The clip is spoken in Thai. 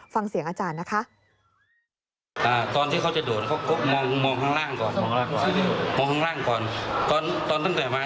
ฟังเสียงอาจารย์นะคะ